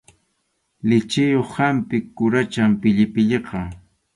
Lichiyuq hampi quracham pillipilliqa.